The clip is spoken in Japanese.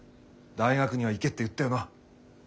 大学には行けって言ったよな？